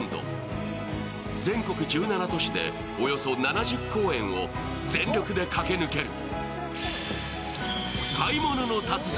全国１７都市でおよそ７０公演を全力で駆け抜ける。